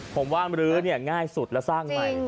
ผมว่ามรื้อเนี่ยง่ายสุดและสร้างใหม่